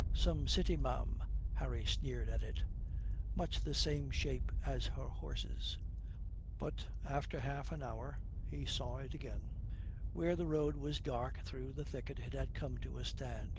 "Some city ma'am," Harry sneered at it, "much the same shape as her horses." But half an hour after he saw it again. Where the road was dark through a thicket it had come to a stand.